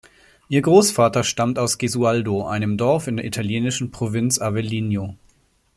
Ihr Großvater stammt aus Gesualdo, einem Dorf in der italienischen Provinz Avellino.